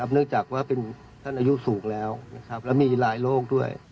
เนื่องจากว่าเป็นท่านอายุสูงแล้วแล้วมีรายโรคด้วย